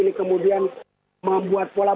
dari keterangan pak jokowi